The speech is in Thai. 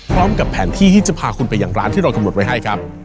พร้อมกับแผนที่ที่จะพาคุณไปอย่างร้านที่เรากำหนดไว้ให้ครับ